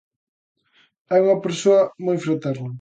E unha persoa moi fraterna.